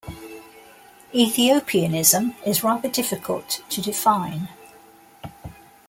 Ethiopianism is rather difficult to define.